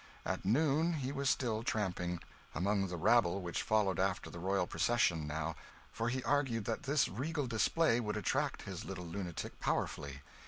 At noon he was still tramping among the rabble which followed after the royal procession, now; for he argued that this regal display would attract his little lunatic powerfully.